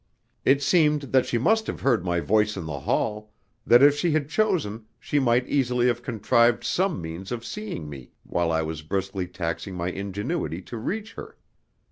It seemed that she must have heard my voice in the hall, that if she had chosen she might easily have contrived some means of seeing me while I was briskly taxing my ingenuity to reach her.